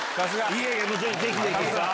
いやいやもうぜひぜひ。